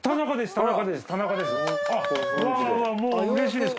田中です！